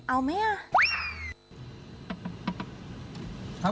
เอาไหมอ่ะ